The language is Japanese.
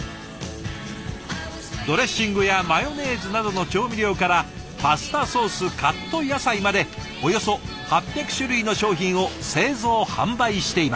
ドレッシングやマヨネーズなどの調味料からパスタソースカット野菜までおよそ８００種類の商品を製造販売しています。